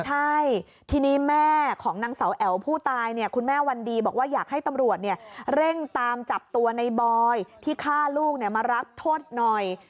ใช่ทีนี้แม่ของนางเสาแอ๋วผู้ตายเนี่ยคุณแม่วันดีบอกว่าอยากให้ตำรวจเร่งตามจับตัวในบอยที่ฆ่าลูกมารับโทษหน่อย